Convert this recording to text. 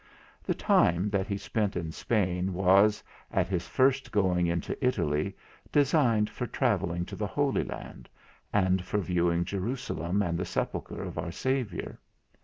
The time that he spent in Spain was, at his first going into Italy, designed for travelling to the Holy Land, and for viewing Jerusalem and the Sepulchre of our Saviour.